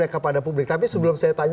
kenapa dari desk presiden